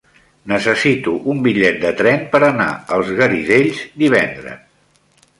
Necessito un bitllet de tren per anar als Garidells divendres.